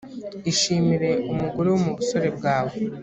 ishimire umugore wo mu busore bwawe